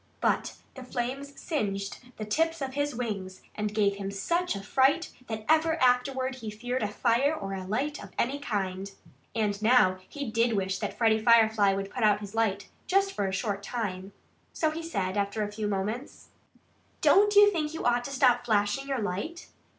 But the flames singed the tips of his wings and gave him such a fright that ever afterward he feared a fire or a light of any kind. And now he did wish that Freddie Firefly would put out his light, just for a short time. So he said, after a few moments: "Don't you think you ought to stop flashing your light?"